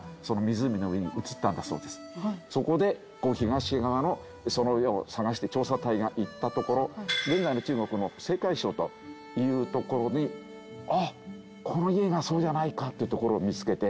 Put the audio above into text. そこで東側のその家を探して調査隊が行ったところ現在の中国の青海省という所にあっこの家がそうじゃないかという所を見つけて。